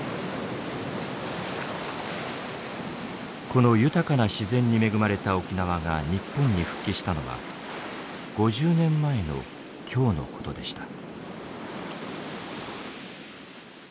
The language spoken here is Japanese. この豊かな自然に恵まれた沖縄が日本に復帰したのは５０年前の今日のことでした。